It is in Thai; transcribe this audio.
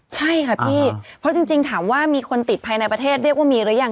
ใช่ค่ะพี่เพราะจริงถามว่ามีคนติดภายในประเทศเรียกว่ามีหรือยัง